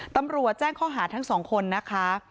ตำรวจแจ้งข้อหาทั้งสองคนนะคะ